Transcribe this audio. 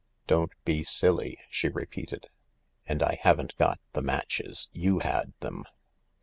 " Don't be silly," she repeated ;" and I haven't got the matches, you had them."